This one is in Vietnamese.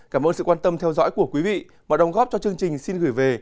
cảm ơn sự quan tâm theo dõi của quý vị mọi đồng góp cho chương trình xin gửi về